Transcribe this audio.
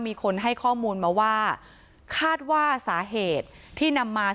มีคนให้ข้อมูลมาว่าคาดว่าสาเหตุที่นำมา